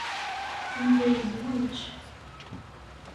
Yuba yezweǧ.